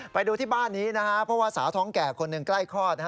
ไปดูที่บ้านนี้นะครับเพราะว่าสาวท้องแก่คนหนึ่งใกล้คลอด